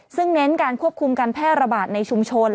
ซึ่งเน้นการควบคุมการแพร่ระบาดในชุมชน